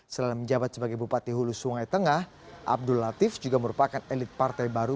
selain menjabat sebagai bupati hulu sungai tengah abdul latif juga merupakan elit partai baru